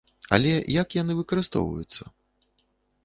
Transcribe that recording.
Але як яны выкарыстоўваюцца?